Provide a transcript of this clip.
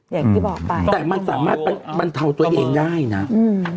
อย่างที่บอกไปแต่มันสามารถบรรเทาตัวเองได้นะอืม